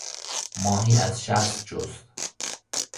ماهی از شست جست.